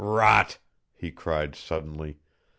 "Rot!" he cried suddenly.